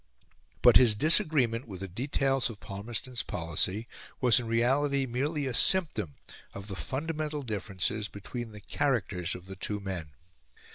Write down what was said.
But his disagreement with the details of Palmerston's policy was in reality merely a symptom of the fundamental differences between the characters of the two men.